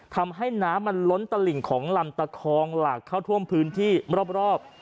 ทำให้น้ำมันล้นตลิ่งของลำตะคองหลากเข้าท่วมพื้นที่รอบ